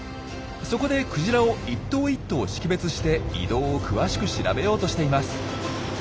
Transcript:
そこでクジラを一頭一頭識別して移動を詳しく調べようとしています。